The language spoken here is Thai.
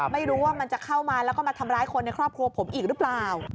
ไม่รู้ว่ามันจะเข้ามาแล้วก็มาทำร้ายคนในครอบครัวผมอีกหรือเปล่า